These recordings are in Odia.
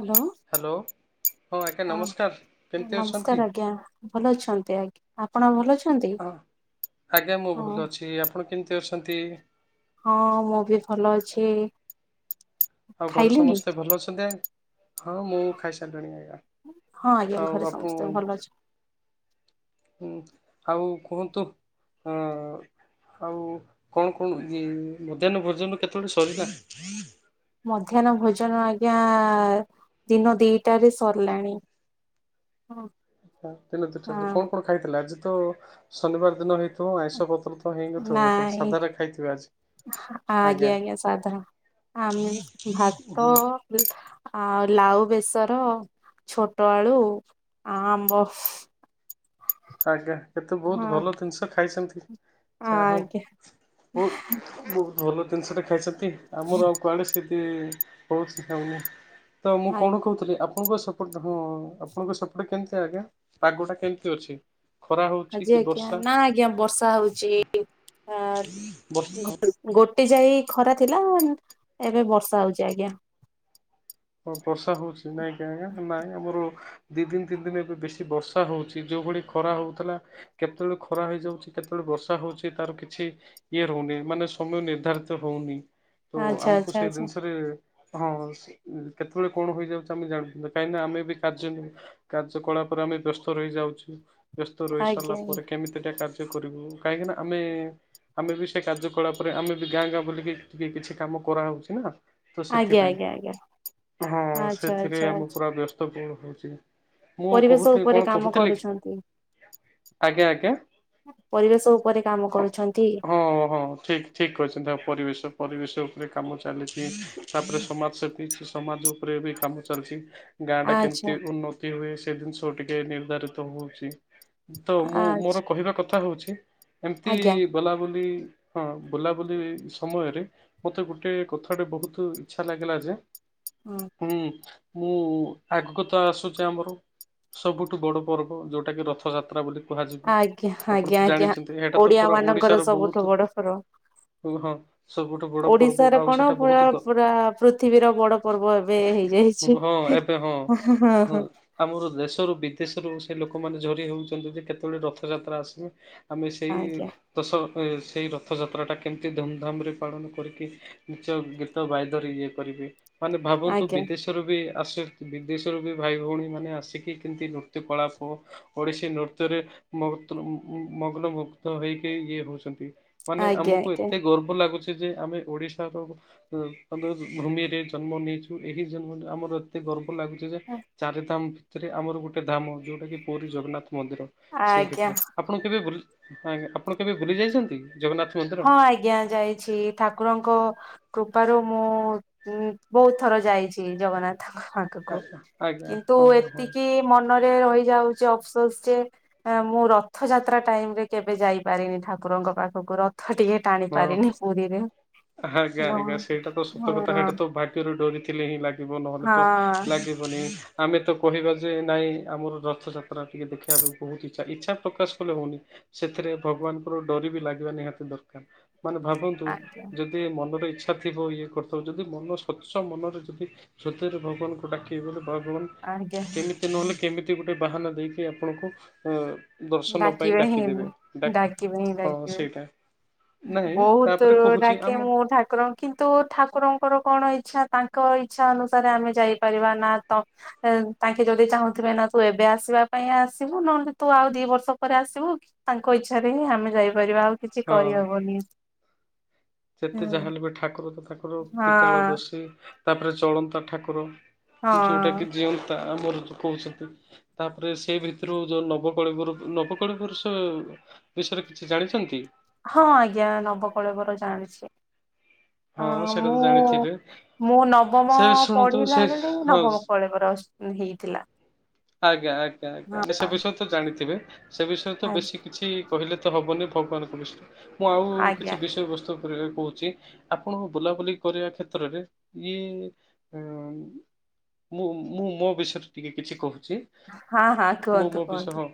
ହ୍ୟାଲୋ। ହ୍ୟାଲୋ। ଆଜ୍ଞା ହଁ ନମସ୍କାର କେମିତି ଅଛନ୍ତି? ନମସ୍କାର ଆଜ୍ଞା ଭଲ ଅଛନ୍ତି ଆ୍ା ଆପଣ ଭଲ ଅଛନ୍ତି। ହଁ ଆଜ୍ଞା ମୁଁ ହଁ ଭଲ ଅଛି ଆପଣ କେମିତି ଅଛନ୍ତି? ହଁ ମୁଁ ବି ଭଲ ଅଛି। ଆଉ ଘରେ ଖାଇଲେଣି ସମସ୍ତେ ଭଲ ଅଛନ୍ତି? ହାଁ ହଁ ମୁଁ ଖାଇସାରିଲିଣି ଆଜ୍ଞା। ହଁ ଆଜ୍ଞା ଆଉ ଘରେ ଆପଣ ସମସ୍ତେ ଭଲ ଅଛିନ୍ତି। ହୁଁ ଆଉ କୁହନ୍ତୁ ହୁଁ ଆଉ କଣ କଣ ମଧ୍ୟାହ୍ନ ଭୋଜନ କେତେବେଳେ ସରିଲା? ମଧ୍ୟାହ୍ନ ଭୋଜନ ଆଜ୍ଞା ଦିନ ଦିଟାରେ ସରିଲାଣି। ହଁ। ଦିନେ ଦୁଇଟା କଣ କଣ ଖାଇଥିଲା? ଆଜି ତ ଶନିବାର ଦିନ ହେଇଥିବ ଆଇଁଷ ପତ୍ର। ତ ହେଇନଥିବ ବୋଧେ ନାଇଁ ସାଧାରେ ଖାଇଥିବେ ଆଜି। ଆଜ୍ଞା ଆଜ୍ଞା ସାଧା। ଆମେ ଭାତ ହୁଁ ଆଉ ଲାଉବେସର। ଛୋଟଆଳୁ ଆଉ ଆମ୍ବ। ଆଜ୍ଞା କେତେ ବହୁତ ହଁ ଭଲ ଜିନିଷ ଖାଇଛନ୍ତି ଯାହା ହଉ ଆଜ୍ଞା ବହୁତ୍। ବହୁତ ଭଲ ଜିନିଷଟା ଖାଇଛନ୍ତି। ଆମର ଆଉ କୁଆଡେ ସେଇଠି ହଉଛି ଖାଉନି। ତ ମୁଁ ଆଜି କଣ କହୁଥିଲି? ଆପଣଙ୍କ ସ ଏପଟେ ହଁ ଆପଣଙ୍କ ସେପଟ କେମିତି ଆଜ୍ଞା? ପାଗଟା କେମିତି ଅଛି? ଖରା ହଉଛି ଆଜି କି ଆଜ୍ଞା ବର୍ଷା ନା ଆଜ୍ଞା ବର୍ଷା ହଉଛି ହଁ ବର୍ଷା ଘ। ଗୋଟ ଯାଏଖରା ଥିଲା। ଏବେ ବର୍ଷା ହଉଛି ଆଜ୍ଞା। ବର୍ଷା ହଉଛି। ନାଇଁଆଜ୍ଞା ନାଇଁ ଆମର ଦି ତିନି ଦିନ ଏବେ ବେଶୀ ବର୍ଷା ହେଉଛି। ଯେଉଁଭଳି ଖରା ହେଉଥିଲା। କେତେବେଳେ ଖରା ହେଇଯାଉଛି। କେତେବେଳେ ବର୍ଷା ହଉଛି ତାର କିଛି ଇଏ ରଉନି। ମାନେ ସମୟ ନିର୍ଦ୍ଧାରିତ ହଉନି। ସେଇଠୁ ଆଚ୍ଛା ଆମକୁ ଆଚ୍ଛା ସେଇ ଆଚ୍ଛା ଜିନିଷରେ ହଁ। ଉଁ କେତେବେଳେ କଣ ହେଇଯାଉଛି ଆମେ ଜାଣୁନୁ କାହିଁକି ନା ଆମେ ବି କାର୍ଯ୍ୟ। କାର୍ଯ୍ୟ କଳାପରେ ଆମେ ବ୍ୟସ୍ତ ରହି ଯାଉଛୁ ବ୍ୟସ୍ତ ରହି ଆଜ୍ଞା ସାରିଲା ଆଜ୍ଞା। ପରେ କେମିତିଟା କାର୍ଯ୍ୟ ଇଏ କରିବୁ। କାହିଁକି ନା ଆମେ ଆମେ ବି ସେ କାର୍ଯ୍ୟ କଳାପରେ ଆମେ ବି ଗାଁ ଗାଁ ବୁଲିକି ଟିକେ କିଛି କାମ କରାହଉଛି କି ନା। ତ ଆଜ୍ଞା ସେଥିପାଇଁ ଆଜ୍ଞା ଆଜ୍ଞା ଆଜ୍ଞା। ହଁ ସେଥିରେ ଆମ ପୁରା ବ୍ୟସ୍ତ ପୁଣି ହଉଛି। ମୁଁ ପରିବେଶ କହୁଥିଲି। ଉପରେ କଣ କାମ କହୁଥିଲି କି? କରୁଛନ୍ତି। ଆଜ୍ଞା ଆଜ୍ଞା। ପରିବେଶ ଉପରେ କାମ କରୁଛନ୍ତି ହଁ ହଁ ଠିକ। ଠିକ କହିଛନ୍ତି ତା ପରିବେଶ ପରିବେଶ ଉପରେ କାମ ଚାଲିଛି ତାପରେ ସମାଜ ସେବା କିଛି ସମାଜ ଉପରେ ବି କାମ ଚାଲିଛି। ଗାଁ ଟା ଆଚ୍ଛା କେମିତି ଉନ୍ନତ ଏମିତି ହୁଏ ସେ ଜିନିଷ ଟିକେ ନିର୍ଦ୍ଧାରିତ ହଉଛି। ତ ମୁଁ ଆଚ୍ଛା ମୋର କହିବା କଥା ହଉଛି ଏମିତି ଆଜ୍ଞା। ବୁଲାବୁଲି ହଁ ବୁଲାବୁଲି ସମୟରେ ମତେ ଗୋଟେ କଥାଟେ ବହୁତ ଇଚ୍ଛା ଲାଗିଲା ଯେ। ହୁଁ। ହୁଁ ମୁଁ ଆଗକୁ ତ ଆସୁଛି ଆମର। ସବୁଠୁ ବଡ ପର୍ବ ଯୋଉଟା କିି ରଥଯାତ୍ରା ବୋଲି କୁହାଯିବ ଆଜ୍ଞା ଆପଣ ଆଜ୍ଞା ତ ଆଜ୍ଞା ଜାଣିଛନ୍ତି ଏଟା ତ ଓଡିଆ ପୁରା ମାନଙ୍କର ଓଡିଶାର ସବୁଠୁ ବହୁତ ବଡ କୁହ। ଓଡିଶାରେ କଣ ପୁରା ପୁରା ପୃଥିବୀର ବଡ ପର୍ବ ଏବେ ହେଇଯାଇଛି ହଁ ଏବେ ହଁ ହଁ। ଆମର ଦେଶରୁ ବିଦେଶରୁ ସେ ଲୋକମାନେ ଝୁରି ହୋଉଚନ୍ତି ଯେ କେତେବେଳେ ରଥଯାତ୍ରା ଆସିବେ। ଆମେ ସେଇ ଆଜ୍ଞା ଦଶ ସେଇ ରଥଯାତ୍ରାଟା କେମିତି ଧୁମଧାମରେ ପାଳନ କରିକି ନଚ ଗୀତ ଗାଇ ଧରି ଇଏ କରିବେ ମାନେ ଭାବନ୍ତୁ ଆଜ୍ଞା ବିଦେ ଦେଶରୁ ବି ଆସେ ବିଦେଶରୁ ବି ଭାଇ ଭୋଉଣୀ ମାନେ ଆସିକି କେମତି ନୃତ୍ୟକଳାପ ଓଡିଶୀ ନୃତ୍ୟରେ ମଗ୍ ମଗ୍ନ ମୁଗ୍ଧ ହେଇକି ଇଏ ହୋଉଛନ୍ତି। ମାନେ ଆଜ୍ଞା ଆମକୁ ଆଜ୍ଞା। ଏତେ ଗର୍ବ ଲାଗୁଛି ଯେ ଆମେ ଓଡ଼ିଶାର ଭୂମିରେ ଜନ୍ମ ନେଇଛୁ ଏହି ଜନ୍ମ ଆମର ଏତେ ଗର୍ବ ଲାଗୁଚି ଯେ ଚାରି ଦାମ୍ ସେଥିରେ ଆମର ଗୋଟେ ଧାମ ଯୋଉଟା କି ପୁରୀ ଜଗନ୍ନାଥ ମନ୍ଦିର ସେଇ ଆଜ୍ଞା କେତରେ ଆପଣ କେବେ ବୁଲି ଆପଣ କେବେ ବୁଲି ଯାଇଛନ୍ତି ଜଗନ୍ନାଥ୍ ହଁ ଆଜ୍ଞା ଯାଇଛି। ଠାକୁରଙ୍କ କୃପାରୁ ମୁଁ ବୋହୁତ୍ ଥର ଯାଇଛି ଜଗନ୍ନାଥଙ୍କ ଆଜ୍ଞା କିନ୍ତୁ ହଁ ହଁ ଏତିକି ମନରେ ରହିଯାଉଚି ଅଫ୍ ସୋସ୍ ଯେ ମୁଁ ରଥ ଯାତ୍ରା ଟାଇମ୍ ରେ କେବେ ଯାଇପାରିନି ଠାକୁରଙ୍କ ପାଖକୁ ରଥ ଟିକେ ଟାଣି ହଁ ପାରିନି ପୁରୀରେ। ଆଜ୍ଞା ହଁ ଆଜ୍ଞା ସେଇଟା ତ ସତ କଥା ହଁ ସେଇଟା ତ ଭାଗ୍ୟରୁ ଡରିଥିଲେ ହିଁ ଲାଗିବ ନହେଲେ ତ ଲାଗି ଆମେ ତ କହିବା ଯେ ନାଇଁ ଆମର ରଥଯାତ୍ରା ଟିକେ ଦେଖିବା ପାଇଁ ବୋହୁତ୍ ଇଛା ଇଛା ପ୍ରକାଶ୍ ହୋଉନି ସେଥିରେ ଭଗବାନଙ୍କର ଡରି ବି ଲାଗିବା ନିହାତି ଦରକାର। ମାନେ ଭାବନ୍ତୁ ଆଜ୍ଞା ଯୋ ଯି ମନର ଇଚ୍ଛା ଥିବ ଇଏ କରିଥିବ ଯଦି ମନ ସ୍ୱଚ୍ଛ ମନରେ ଯଦି ସେତରେ ଭଗବାନଙ୍କୁ ଡାକିବ ବଲେ ଭଗବାନ୍ ଆଜ୍ଞା କେମିତି ନହେଲେ କେମିତି ଗୋଟେ ବାହାନା ଦେଇକି ଆପଣଙ୍କୁ ଅ ଦର୍ଶନ ପାଇଁ ଡାକିବେ ହିଁ ଡାକିଦେବେଡାକି ହଁ ସେଇଟା। ନାଇଁ ବୋହୁତ୍ ତାପରେ କହୁଛି ଡାକେ ଆମ ମୁଁ ଠାକୁର କିନ୍ତୁ ଠାକୁରଙ୍କର କଣ ଇଚ୍ଛା ତାଙ୍କ ଇଚ୍ଛା ଅନୁସାରେ ଆମେ ଯାଇପାରିବା ନା ତ ତାଙ୍କେ ଯୋଦି ଚାହୁଁଥିବେ ନା ତୁ ଏବେ ଆସିବା ପାଇଁ ଆସିବୁ, ନହେଲେ ତୁ ଆଉ ଦି ବର୍ଷ ପରେ ଆସିବୁ। ତାଙ୍କ ଇଚ୍ଛାରେ ହିଁ ଆମେ ଯାଇପାରିବା ଆଉ କିଛି ହଁ କରିହବନି। ଯେତେ ହୁଁ ଯାହାହେଲେ ବି ଠାକୁର ତ ତାଠକୁର ତିିକାଳ ହଁ ଦଷୀ ତାପରେ ଚଳନ୍ତା ଠାକୁର। ଯୋଉଟା ହଁ କି ଜିଅନ୍ତା ଆମର ଯୋଉ କୋହୁଛନ୍ତି। ତାପରେ ସେଇ ଭିତୁରୁ ଯୋଉ ନବକଳେବର ନବକଳେବର୍ଷ ବିଷୟରେ କିଛି ଜାଣିଛନ୍ତି? ହଁ ଆଜ୍ଞା ନବକଳେବର ଜାଣିଛି। ହଁ ସେଇଟା ତ ମୁଁ ଜାଣିଥିବେ ମୁଁ ନବମ ସେ ଶୁଣନ୍ତୁ ସେ ପଢିଲା ବେଳେ ହଁ ନବମ କଳେବର ଉଁ ହେଇଥିଲା। ଆଜ୍ଞା ଆଜ୍ଞା ହଁ ଆଜ୍ଞା ସେ ବିଷୟରେ ତ ଜାଣିଥିବେ ସେ ବିଷୟରେ ତ ଆଜ୍ଞା ବେଶୀ କିଛି କହିଲେ ତ ହବନି ଭଗବାନଙ୍କ ବିଷୟରେ ମୁଁ ଆଉ ଆଜ୍ଞା, କିଛି ବିଷୟବସ୍ତୁ କରିବା କୋହୁଛି ଆପଣ ବୁଲାବୁଲି କରିବା କ୍ଷେତ୍ରରେ ଇଏ ମୁଁ ମୁଁ ମୋ ବିଷୟରେ ଟିକେ କିଛି କୋହୁଚି ହଁ ହଁ ମୁଁ କୁହନ୍ତୁ ମୋ ବିଷୟରେ କୁହନ୍ତୁ ହଁ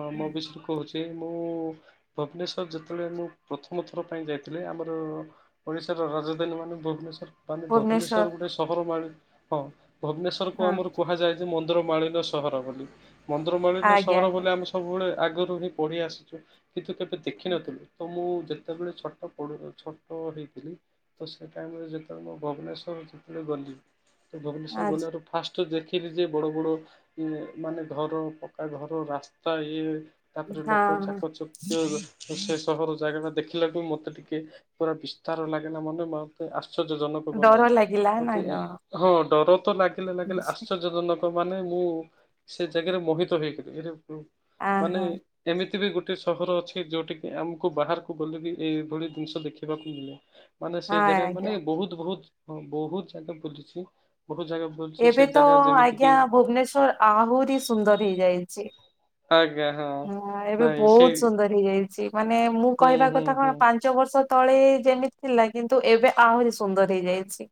ହଁ ମୋ ବିଷୟଏ କୋହୁଚି ମୁଁ ଭୁବନେଶ୍ୱର ଯେତେବେଳେ ମୁଁ ପ୍ରଥମ ଥର ପାଇଁ ଯାଇଥିଲି ଆମର ଓଡିଶାର ରାଜଧାନୀ ମାନେ ଭୁବନେଶ୍ୱର୍। ମାନେ ଭୁବନେଶ୍ଵର ଭୁବନେଶ୍ୱର ଗୋଟେ ସହର ମାଳି ହଁ ଭୁବନେଶ୍ୱରକୁ ହଁ ଆମର କୁହାଯାଏ ଯେ ମନ୍ଦିର ମାଳି ସହର ବୋଲି ମନ୍ଦୀରମାଳିନ ଆଜ୍ଞା ସହର ଆଜ୍ଞା ବୋଲି ଆମେ ସବୁବେଳେ ଆଗରୁ ବି ପଢି ଆସିଚୁ। କିନ୍ତୁ କେବେ ଦେଖିନଥିଲୁ ତ ମୁଁ ଯେତେବେଳେ ଛୋଟ ପଡୁ ଛୋଟ ହେଇଥିଲି ତ ସେ ଟାଇମ୍ ରେ ଯେତେବେଳେ ମୁଁ ଭବନେଶ୍ୱର ଯେତେବେଳେ ଗଲି। ଭୁବନେଶ୍ଵର୍ ଗଲାର ଫାଷ୍ଟ୍ ଦେଖିଲି ଯେ ବଡ ବଡ ଇଏ ମାନେ ଘର ପକ୍କା ଘର ରାସ୍ତା ଇଏ ତାପରେ ଆଚ୍ଛା ଲୋକ ହଁ ହଁ ଚାକଚ ସେ ସହର ଜାଗା ଟା ଦେଖିଲାକୁ ମତେ ଟିକେ ପୁରା ବିସ୍ତାର ଲାଗିଲା ମନେ ମା ମେତେ ଆଶ୍ଚର୍ଯ୍ୟଜନକ କଲା, ଡର ଲାଗିଲା ନା ମତେ କଣ? ହଁ ଡର ତ ଲାଗିଲା ଲାଗିଲା ଆଶ୍ଚର୍ଯ୍ୟଜନ ଲୋକମାନେ ମୁଁ ସେ ଜାଗାରେ ମୋହିତ ହେଇଗଲି ଇରେ ମୁଁ ଆ ମାନେ ହଁ ଏମିତି ବି ଗୋଟେ ସହର ଅଛି ଯୋଉଠି କିି ଆମକୁ ବାହାରକୁ ଗଲେ ବି ଏଇଭଳି ଜିନଷ ଦେଖିବାକୁ ମିଳେ। ମାନେ ସେ ହଁ ଜାଗା ଆଜ୍ଞା। ମାନେ ବୋହୁତ ବୋହୁତ ବୋହୁତ ଜାଗା ବୁଲିଚି ବୋହୁତ ଜାଗା ବୁଲିଛି ଏବେ ସେ ତ ଜାଗା ଯେମିତି ଆଜ୍ଞା କିି ଭୁବନେଶ୍ଵର ଆହୁରି ସୁନ୍ଦର ହେଇଯାଇଚି। ହଁ ଏବେ ନାଇଁ ସେଇ ବୋହୁତ ସୁନ୍ଦର ହେଇଯାଇଚି ମାନେ ମୁଁ ହୁଁ କହିବା ହୁଁ କଥା କଣ ହୁଁ। ପା ପାଞ୍ଚ ବର୍ଷ ତଳେ ଯେମିତି ଥିଲା କିନ୍ତୁ ଏବେ ଆହୁରି ସୁନ୍ଦର ହେଇଯାଇଛି।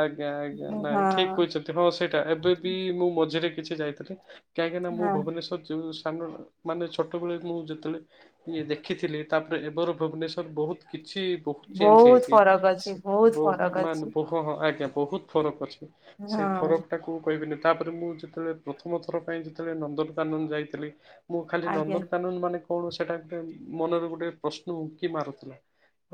ଆଜ୍ଞା ଆଜ୍ଞା ହଁ ନାଇଁ ଠିକ କହିଛନ୍ତି ହଁ ସେଇଟା ଏବେ ବି ମୁଁ ମଝିରେ କିଛି ଯାଇଥିଲି। କାହିଁକିନା ମୁଁ ହଁ ଭୁବନେଶ୍ୱର ଯୋଉ ସାଙ୍ଗ ଘର ମାନେ ଛୋଟବେଳେ ମୁଁ ଯେତେବେଳେ ଇଏ ଦେଖିଥିଲି ତାପରେ ଏବେର ଭୁବନେଶ୍ୱର ବୋହୁତ କିଛି ବହୁତ ଚେଞ୍ଜ ବୋହୁତ ହେଇଛି। ଫରକ ଅଛି ବୋହୁତ ଫରକ ଅଛି। ହଁ ହଁ ଆଜ୍ଞା ବୋହୁତ ଫରକ ଅଛି ସେଇ ହଁ ଫରକଟାକୁ କହିବିନି ତାପରେ ମୁଁ ଯେତେଳେ ପ୍ରଥମ ଥର ପାଇଁ ଯେତେଳେ ନନ୍ଦନକାନନ ଯାଇଥିଲି ମୁଁ ଖାଲି ଆଜ୍ଞା ନନ୍ଦନକାନନ ମାନେ କଣ ସେଇଟା କେ ଗୋଟେ ମନରେ ଗୋଟେ ପ୍ରଶ୍ନ ଉଙ୍କି ମାରୁଥିଲା।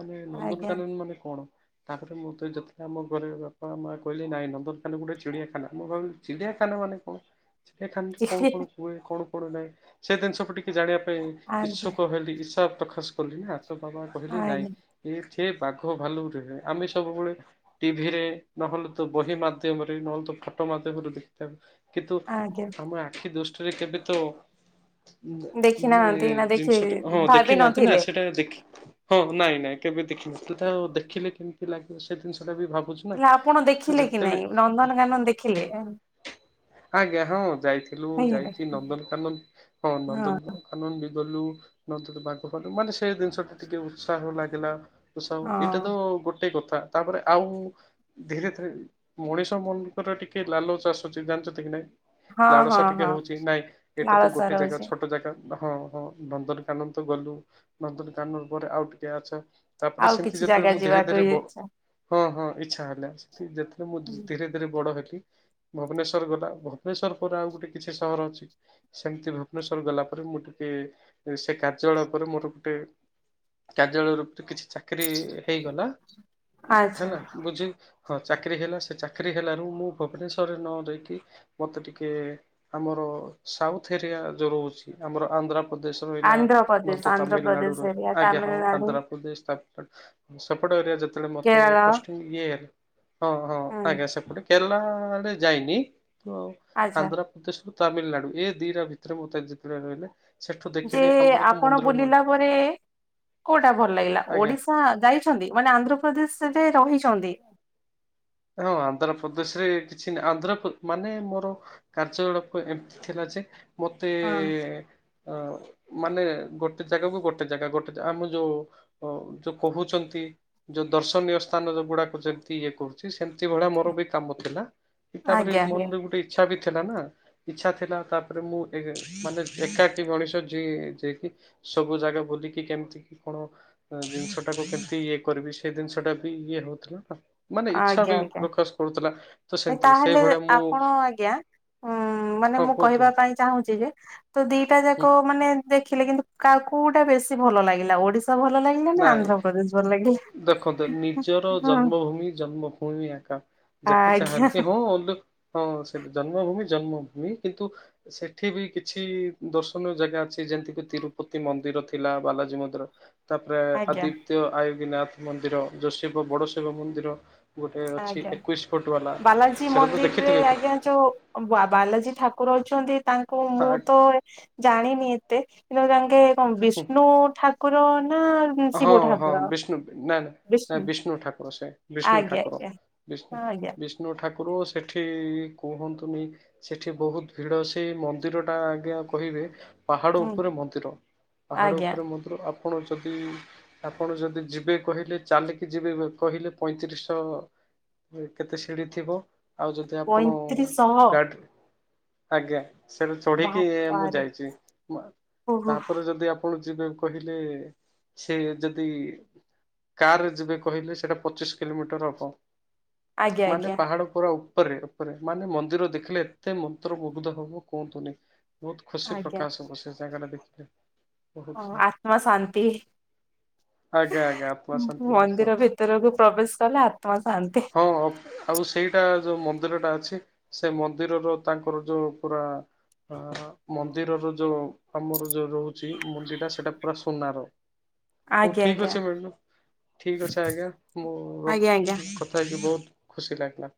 ମାନେ ଆଜ୍ଞା ନନ୍ଦନକାନନ ମାନେ କଣ ତାପରେ ମୁଁ ତ ଯେତେ ଆମ ଘରେ ବାପା ମାଆ କହିଲେ ନାଇଁ ନନ୍ଦନଖାନା ଗୋଟେ ଚିଡିଆଖାନା ମୁଁ ଭାବିଲି ଚିଡିଆଖାନା ମାନେ କଣ? ଚିଡିଆଖାନାରେ କଣ ଆଜ୍ଞା କଣ ହୁଏ କଣ କଣ ନାଇଁ ସେ ଦିନଷକୁୁ ଟିକେ ଜାଣିବା ପାଇଁ ଆଜ୍ଞା ଇଚ୍ଛୁକ ହେଲି ଇଚ୍ଛା ପ୍ରକାଶ କଲି ନା ତ ବାବା କହିଲି ନାଇଁ ଇଏ ଠି ବାଘ ଭାଲୁରେ ଆମେ ସବୁବେଳେ ଟିଭିରେ, ନହେଲେ ତ ବହି ମାଧ୍ୟମରେ, ନହେଲେ ତ ଫଟୋ ମାଧ୍ୟମରେ ଦେଖିଥାଉ। କିନ୍ତୁ ଆଜ୍ଞା। ଆମ ଆଖି ଦୁଷ୍ଟରେ କେବେ ତ ନା ଦେଖି ମାନେ ନାହାନ୍ତି ନା ଦେଖି ଜିନିଷଟା ହଁ ଭାବି ଦେଖିନାହାନ୍ତି ନା ନଥିଲେ ସେଟା ଦେଖି ହଁ ନାଇଁ ନାଇଁ କେବେ ଦେଖିନଥିଲି ତ ଆଉ ଦେଖିଲେ କେମିତି ଲାଗିବ ସେ ଜିନିଷଟାବି ଭାବୁଚି। ତାହେଲେ ଆପଣ ଦେଖିଲେ କି ନାଇଁ ନନ୍ଦନକାନନ ଦେଖିଲେ? ଆଜ୍ଞା ହଁ ଯାଇଥିଲୁ ଯାଇକି ହେଇଗଲେ ନନ୍ଦନକାନନ ହଁ ନନ୍ଦନ କାନନ୍ ବି ଗଲୁ ନଦରେ ବାଘ ଭାଲୁ ମାନେ ସେ ଜିନିଷଟା ଟିକେ ଉତ୍ସାହ ଲାଗିଲା। ଉତ୍ସାହ ଏଇଟା ତ ହଁ ଆଉ ଗୋଟେ କଥା। ତାପରେ ଆଉ ଧୀରେ ଧୀରେ ମଣିଷ ମନଙ୍କର ଟିକେ ଲାଲଚ ଅସୁଚି ଜାଣିଚତ୍ ନ୍ତି କି ନାଇଁ ହଁ ଲାଳସା ହଁ ଟିକେ ହଁ ରହୁଚି ନାଇଁ ଏଇଟା ତ ଲାଳସା ଗୋଟେ ଜାଗା ରହୁଛି ଛୋଟ ଜାଗା ହଁ ହଁ ନନ୍ଦନକାନନ ତ ଗଲୁ ନନ୍ଦନକାନନ ପରେ ଆଉ ଟିକେ ଆଛା ତାପରେ ଆଉ ସେମତି କିଛି ଯେତେବେଳେ ଜାଗା ମୁଁ ଧୀରେ ଯିବାକୁ ଧୀରେ ବ ଇଚ୍ଛା ହଁ ହଁ ଇଚ୍ଛା ହେଲା ସେଥି ଯେତେଳେ ମୁଁ ଧୀରେ ଧୀରେ ବଡ ହେଲି ଭୁବନେଶ୍ ଶ୍ୱର ଗଲା ଭୁବନେଶ୍ୱର ପରେ ଆଉ ଗୋଟେ କିଛି ସହର ଅଛି? ସେମତି ଭୁବନେଶ୍ଵର ଗଲା ପରେ ମୁଁ ଟିକେ ଏ ସେ କାର୍ଯ୍ୟାଳୟ ପରେ ମୋର ଗୋଟେ କାର୍ଯ୍ୟାଳୟ ରୂପରେ କିଛି ଚାକିରି ହେଇଗଲା। ଆଚ୍ଛା ହେଲା ବୁଝି ହଁ ଚାକିରି ହେଲା ସେ ଚାକିରି ହେଲାରୁ ମୁଁ ଭୁବନେଶ୍ଵରରେ ନ ରେଇକି ମତେ ଟିକେ ଆମର ସାଉଥ ଏରିଆ ଯୋଉ ରହୁଚି ଆମର ଆନ୍ଧ୍ରା ପ୍ରଦେଶ ରହିଲା ଆନ୍ଧ୍ରପ୍ରଦେଶ ନହେଲେ ତ ତାମିଲନାଡୁ ଆନ୍ଧ୍ରପ୍ରଦେଶ ଏରିଆ ରହିଲା ଆଜ୍ଞା ହଁ ତାମିଲନାଡୁ ଆନ୍ଧ୍ରପ୍ରଦେଶ ତା ସେପଟ ଏରିଆ ଯେତେଳେ ମତେ କେରଳ ପୋଷ୍ଟିଂ ଇଏ ହେଲା ହଁ ହଁ ହୁଁ ଆଜ୍ଞା ସେପଟେ କେରଲା ଆଡେ ଯାଇନି ତ ଆଚ୍ଛା ଆନ୍ଧ୍ର ପ୍ରଦେଶରୁ ତାମିଲନାଡୁ ଏ ଦିଟା ଭିତରେ ମତେ ଯେତେବେଳେ ରହିଲେ ସେଠୁ ଯେ ଦେଖିଲି ଆମର ତ ଆପଣ ମନ୍ଦିର ବୁଲିଲା ପରେ କୋଉଟା ଭଲ ଲାଗିଲା ଆଜ୍ଞା ଓଡିଶା ଯାଇ ଛନ୍ତି ମାନେ ଆନ୍ଧ୍ରପ୍ରଦେଶ ସେଯାଏଁ ରହିଛନ୍ତି? ହଁ ଆନ୍ଧ୍ରପ୍ରଦେଶରେ କିଛି ନା ଆନ୍ଧ୍ରପ ମାନେ ମୋର କାର୍ଯ୍ୟକଳାପ ଏମତି ଥିଲା ଯେ ମତେ ହଁ ଅ ମାନେ ଗୋଟେ ଜାଗାକୁ ଗୋଟେ ଜାଗା ଗୋଟେ ଜା ଆମ ଯୋଉ ଅ ଯୋଉ କୋହୁଚନ୍ତି ଯୋଉ ଦର୍ଶନୀୟ ସ୍ଥାନ ଯୋଉଗୁଡାକ ଯେମତି ଇଏ କୋହୁ କି ସେମତି ଭଳିଆ ମୋର ବି କାମ ଥିଲା କି ତାପରେ ଆଜ୍ଞା ଆଜ୍ଞା ମନରେ ଗୋଟେ ଇଚ୍ଛା ବି ଥିଲା ନା ଇଚ୍ଛା ଥିଲା ତାପରେ ମୁଁ ଏଇଠି ମାନେ ଏକାଟକି ମଣିଷ ଯିଏ ଯିଏକି ସବୁ ଜାଗା ବୁଲିକି କେମତି କି କଣ ଜିନିଷଟାକୁ କେମତି ଇଏ କରିବି ସେଇ ଦିନିଷଟା ବି ଇଏ ହୋଉଥୁଲା ମା ଇଚ୍ଛା ଆଜ୍ଞା ବି ଆଜ୍ଞା ପ୍ରକାଶ କରୁଥିଲା। ସେମିତି ତାହେଲେ ସେଇଭଳିଆ ମୁଁ ଆପଣ ଆଜ୍ଞା ଉଁ ମାନେ ହଁ ମୁଁ କୁହନ୍ତୁ। କହିବା ପାଇଁ ଚାହୁଁଛି ଯେ ତ ଦିଟା ହୁଁ ଯାକ ମାନେ ଦେଖିଲେ କିନ୍ତୁ କାହା କଉଟା ବେଶୀ ଭଲ ଲାଗିଲା ଓଡିଶା ତ ଭଲ ଲାଗିଲା। ନା ନାଇଁ ଆନ୍ଧ୍ରପ୍ରଦେଶ ଭଲ ଲାଗିଲା? ଦେଖନ୍ତୁ ନିଜର ହଁ। ଜନ୍ମଭୂମି ଜନ୍ମଭୂମି ଆ ଯେତେ ଆଜ୍ଞା ଚାହାଁଲେ ବି ହଁ ହଁ ସେ ଜନ୍ମଭୂମି ଜନ୍ମଭୂମି କିନ୍ତୁ ସେଠି ବି କିଛି ଦର୍ଶନୀୟ ଜାଗା ଅଛି ଯେମତିକି ତିରୁପତି ମନ୍ଦିର ଥିଲା ବାଲାଜୀ ମନ୍ଦିର ତାପରେ ଆଜ୍ଞା ଆଦିତ୍ୟ ଆୟବୀନାଥ ମନ୍ଦିର ଯୋ ଶିବ ବଡ ଶିବ ମନ୍ଦିର ଗୋଟେ ଅଛି ଆଜ୍ଞା ଏକୋଇଶ ଫୁଟ ବାଲା ବାଲାଜୀ ସେଟା ତ ମନ୍ଦିରରେ ଦେଖିଥିବେ। ଆଜ୍ଞା ଯୋଉ ବାବାଲାଜୀ ଠାକୁର ଅଛନ୍ତି ତାଙ୍କୁ ମୁଁ ହଁ ତ ଜାଣିନି ଏତେ କିନ୍ତ ଜଙ୍ଗେ କଣ ବିଷ୍ଣୁ ଠାକୁର ନା ହଁ ଶିବ ହଁ ଠାକୁର? ବିଷ୍ଣୁ ନାଇଁ ନା ବିଷ୍ଣୁ ଠାକୁର ସେ ବିଷ୍ଣୁ ଆଜ୍ଞା ଠାକୁର ଆଜ୍ଞା ବିଷ୍ଣୁ ହଁ ଆଜ୍ଞା ବିଷ୍ଣୁ କଷ୍ଣ ଠାକୁର ସେଠି କୁହନ୍ତୁନି ସେଠି ବହୁତ ଭିଲ ସେଇ ମନ୍ଦିର ଟା ଆଜ୍ଞା କହିବେ ପାହାଡ଼ ହୁଁ ଉପରେ ମନ୍ଦିର ପାହାଡ଼ ଆଜ୍ଞା ଉପରେ ମନ୍ଦିର ଆପଣ ଯ ତି ଆପଣ ଯଦି ଯିବେ କହିଲେ ଚାଲିକି ଯିବେ କହିଲେ ପଇଁତିରିଶଶହ କେତେ ସିଢ଼ି ଥିବ ଆଉ ଯଦି ଆପଣ ପଇଁତିରିଶଶହ ଗାଡ଼ି ଆଜ୍ଞା ସେଟା ଚଢିକି ମୁଁ ବାପାରେ। ଯାଇଛି ଓହୋ ତାପରେ ଯଦି ଆପ ଆପଣ ଯିବେ କହିଲେ ସେ ଯଦି କାର ରେ ଯିବେ କହିଲେ ସେଇଟା ପଚିଶ କିଲୋମିଟର ହବ ଆଜ୍ଞା ମାନେ ଆଜ୍ଞା ପାହାଡ ପୁରାଉ ଉପରେ ଉପରେ ମାନେ ମନ୍ଦିର ଦେଖିଲେ ଏତେ ମନ୍ତ୍ର ମୁୁଗ୍ଧ ହବ କୁହନ୍ତୁନି। ବହୁତ ଖୁସି ଆଜ୍ଞା ପ୍ରକାଶ ହବ ସେ ଜାଗା ଟା ଦେଖିଲେ ବହୁତ ଓ ଆତ୍ମ ଶାନ୍ତି ଆଜ୍ଞା ଆଜ୍ଞା ଆତ୍ମା ଶାନ୍ତି ହେଇଯିବ। ମନ୍ଦିର ଭିତରକୁ ପ୍ରବେଶ କଲେ ଆତ୍ମା ଶାନ୍ତି ହଁ ଆଉ ସେଇଟା ଯୋଉ ମନ୍ଦିର ଟା ଅଛି ସେ ମନ୍ଦିରର ତାଙ୍କର ଯୋଉ ପୁରା ଅ ମନ୍ଦିରର ଯୋଉ ଆମର ଯୋଉ ରହୁଛି ମୁଣ୍ଡି ଟା ସେଇଟା ପୁରା ସୁନାର ହଉ ଆଜ୍ଞା ଠିକ ଆଜ୍ଞା ଅଛି ମ୍ୟାଡ଼ ଠିକ ଅଛ ଆଜ୍ଞା ମୁଁ ଆଜ୍ଞା ଆଜ୍ଞା। ରଖୁଛି କଥା ହେଇକି ବହୁତ ଖୁସି ଲାଗିଲା